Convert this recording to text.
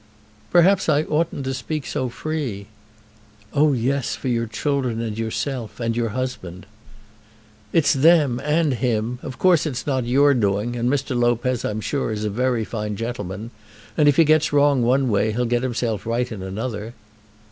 "Perhaps I oughtn't to speak so free." "Oh, yes; for your children, and yourself, and your husband." "It's them, and him. Of course it's not your doing, and Mr. Lopez, I'm sure, is a very fine gentleman. And if he gets wrong one way, he'll get himself right in another."